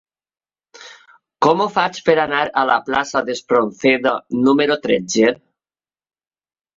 Com ho faig per anar a la plaça d'Espronceda número tretze?